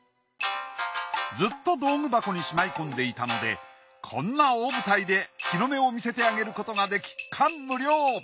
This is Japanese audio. ずっと道具箱にしまいこんでいたのでこんな大舞台で日の目を見せてあげることができ感無量。